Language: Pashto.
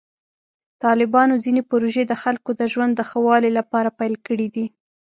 طالبانو ځینې پروژې د خلکو د ژوند د ښه والي لپاره پیل کړې دي.